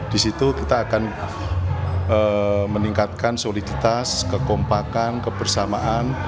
di situ kita akan meningkatkan soliditas kekompakan kebersamaan